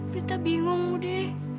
prita bingung budi